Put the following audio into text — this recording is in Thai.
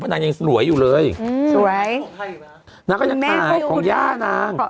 นางยังสวยอยู่เลยสวยนางก็ยังขายของย่านาง